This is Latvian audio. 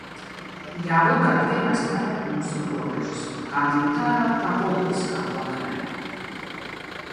Jābūt gataviem aizstāvēt mūsu robežas, kā militārā tā politiskā plaknē.